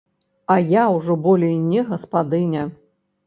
А я ўжо болей не гаспадыня.